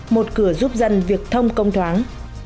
một cửa giúp dân việc thông công thoáng